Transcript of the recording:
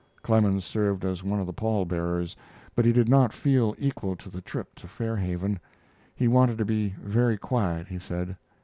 Clemens served as one of the pall bearers, but he did not feel equal to the trip to Fairhaven. He wanted to be very quiet, he said.